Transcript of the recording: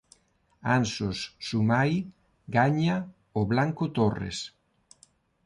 Anxos Sumai gaña o Blanco Torres